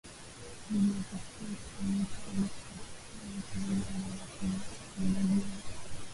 lililotakiwa kufanyika ili kutafuta nchi iliyo bora kuwa mwenyeji wa